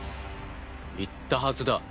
言ったはずだ。